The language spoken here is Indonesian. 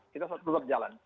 kita sudah berperlu ke jalan